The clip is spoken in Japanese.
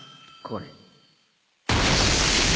これ！